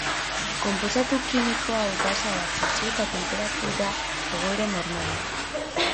Konposatu kimiko hau gasa da presio eta tenperatura egoera normalean.